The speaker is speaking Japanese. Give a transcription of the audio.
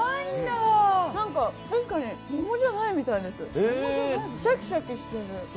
確かに桃じゃないみたいです、シャキシャキしてる。